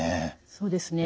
そうですね。